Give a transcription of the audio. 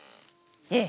ええ。